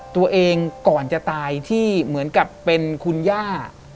ตัวเองก่อนจะตายที่เหมือนกับเป็นคุณย่า